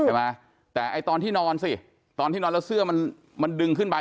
ใช่ไหมแต่ไอ้ตอนที่นอนสิตอนที่นอนแล้วเสื้อมันมันดึงขึ้นไป